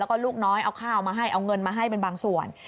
แล้วก็ลูกน้อยเอาข้าวมาให้เอาเงินมาให้เป็นบางส่วน